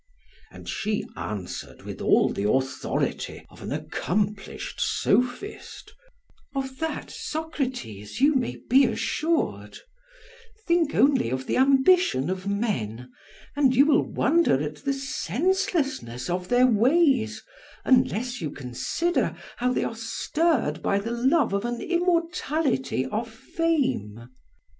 "And she answered with all the authority of an accomplished sophist: 'Of that, Socrates, you may be assured; think only of the ambition of men, and you will wonder at the senselessness of their ways, unless you consider how they are stirred by the love of an immortality of fame.